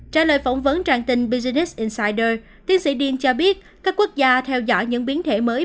trả lời phỏng vấn trang tin business incyders tiến sĩ diên cho biết các quốc gia theo dõi những biến thể mới